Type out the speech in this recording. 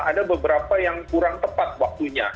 ada beberapa yang kurang tepat waktunya